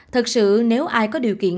thật sự nếu ai có điều kiện